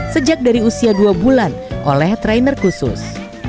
sejak dari usia dua bulan oleh trainer khusus